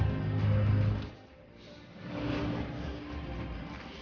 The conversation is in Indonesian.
senang aja bestimmt